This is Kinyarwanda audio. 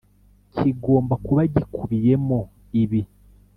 kigomba kuba gikubiyemo ibi